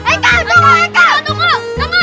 aika tunggu tunggu